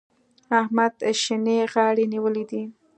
احمد شينې غاړې نيولی دی.